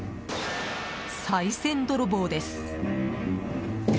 さい銭泥棒です！